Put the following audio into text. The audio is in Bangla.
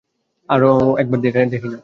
আরে, একবার দেখই না।